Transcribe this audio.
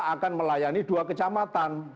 akan melayani dua kecamatan